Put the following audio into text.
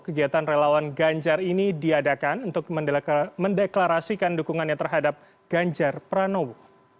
kegiatan relawan ganjar ini diadakan untuk mendeklarasikan dukungannya terhadap ganjar pranowo